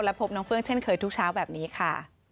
พบน้องเฟื้องเช่นเคยทุกเช้าแบบนี้ค่ะ